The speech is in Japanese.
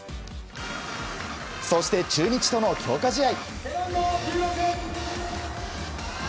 そして中日との強化試合。